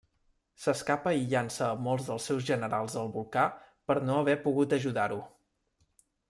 S'escapa i llança a molts dels seus generals al volcà per no haver pogut ajudar-ho.